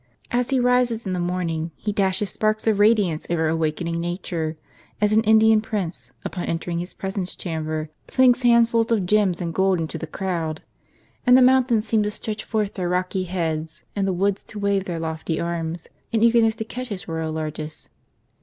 As he rises in the morning, he dashes sparks of radiance over awakening nat ure, as an Indian prince, upon entering his presence chamber, flings handfuls of gems and gold into the crowd ; and the mountains seem to stretch forth their rocky heads, and the woods to wave their lofty arms, in eagerness to catch his royal largess.